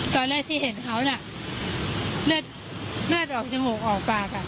ตอนแรกที่เห็นเขาน่ะเลือดออกจมูกออกปาก